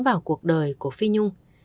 vào cuộc đời của phi nhung